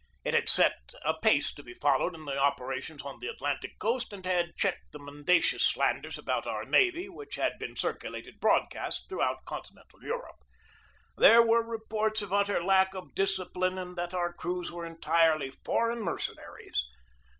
It had set a pace to be followed in the operations on the Atlantic coast and had checked the mendacious slanders about our navy which had been circulated broadcast throughout continental Europe. There were reports of utter lack of discipline and that our crews were entirely foreign mercenaries.